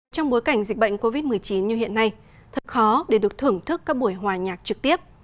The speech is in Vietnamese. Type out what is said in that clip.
trong bối cảnh dịch bệnh covid một mươi chín như hiện nay thật khó để được thưởng thức các buổi hòa nhạc trực tiếp